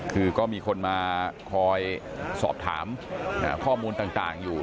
คือก็มีคนมาคอยสอบถามข้อมูลต่างอยู่